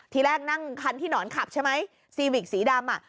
ทีแรกนั่งคันที่หนอนขับใช่ไหมซีวิกสีดำอ่ะ